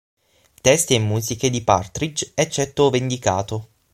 Testi e musiche di Partridge, eccetto ove indicato.